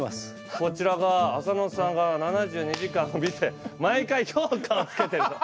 こちらが浅野さんが「７２時間」を見て毎回評価をつけてると。